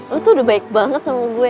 lo tuh udah baik banget sama gue